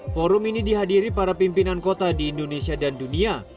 forum ini dihadiri para pimpinan kota di indonesia dan dunia